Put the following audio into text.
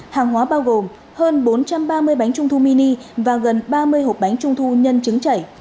hàng hóa bao gồm hơn bốn trăm ba mươi bánh trung thu mini và gần ba mươi hộp bánh trung thu nhân chứng chảy